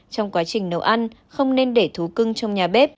trong quá trình nấu ăn không nên để thú cưng trong nhà bếp